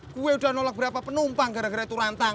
gue udah nolak berapa penumpang gara gara itu rantang